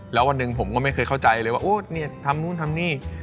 แล้ววันหนึ่งผมก็ไม่เคยเข้าใจเลยว่าโอ้เนี่ยทำนู่นทำนี่